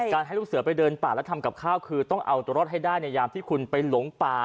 ให้ลูกเสือไปเดินป่าแล้วทำกับข้าวคือต้องเอาตัวรอดให้ได้ในยามที่คุณไปหลงป่า